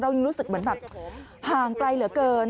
ยังรู้สึกเหมือนแบบห่างไกลเหลือเกิน